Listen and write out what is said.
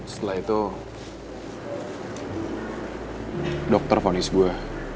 setelah itu dokter fonis gue